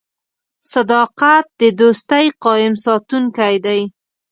• صداقت د دوستۍ قایم ساتونکی دی.